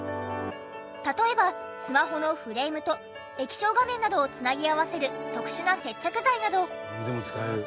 例えばスマホのフレームと液晶画面などを繋ぎ合わせる特殊な接着剤など。